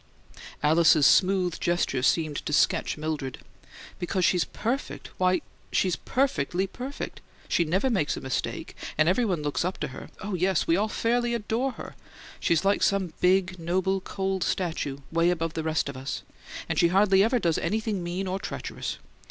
Alice's smooth gesture seemed to sketch Mildred. "Because she's perfect why, she's PERFECTLY perfect! She never makes a mistake, and everybody looks up to her oh, yes, we all fairly adore her! She's like some big, noble, cold statue 'way above the rest of us and she hardly ever does anything mean or treacherous.